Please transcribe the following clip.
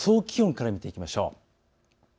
気温から見ていきましょう。